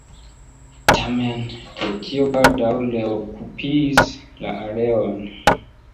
Tamen, Turkio baldaŭ reokupis la areon.